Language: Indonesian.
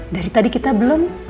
dari tadi kita belum